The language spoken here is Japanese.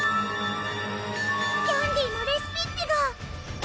キャンディのレシピッピが！